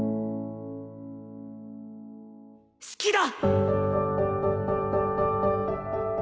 好きだ！